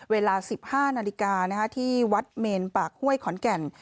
เวลา๑๕นาฬิกาที่วัดเมนปากห้วยขอนแก่น